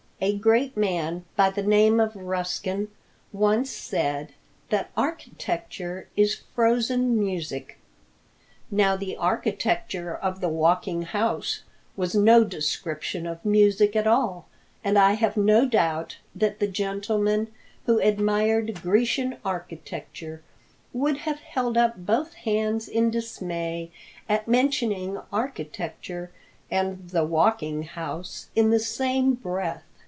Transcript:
A great man by the name of Ruskin once said that "Architecture is frozen music." Now the architecture of the Walking House was no description of music at all, and I have no doubt that the gentleman who admired Grecian architecture would have held up both hands in dismay at mentioning architecture and the Walking House in the same breath.